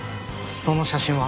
その写真は？